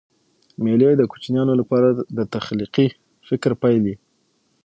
مېلې د کوچنیانو له پاره د تخلیقي فکر پیل يي.